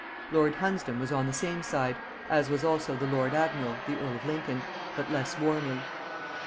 Lord Hunsdon was on the same side, as was also the lord admiral (the earl of Lincoln), but less warmly.